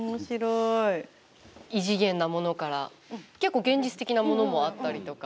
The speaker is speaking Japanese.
異次元なものから結構、現実的なものもあったりとか。